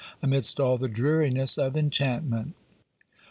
... amidst all the dreariness of enchantment."